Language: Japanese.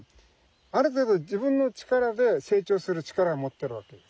ある程度自分の力で成長する力を持ってるわけです。